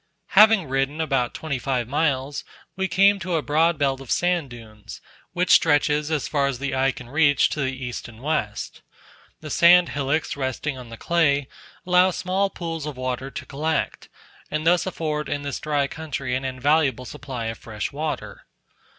Having ridden about twenty five miles, we came to a broad belt of sand dunes, which stretches, as far as the eye can reach, to the east and west. The sand hillocks resting on the clay, allow small pools of water to collect, and thus afford in this dry country an invaluable supply of fresh water.